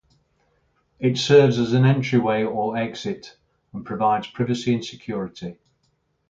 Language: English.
It serves as an entryway or exit and provides privacy and security.